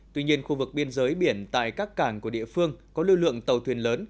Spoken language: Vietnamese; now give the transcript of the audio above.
tuy nhiên khu vực biên giới biển tại các cảng của địa phương có lưu lượng tàu thuyền lớn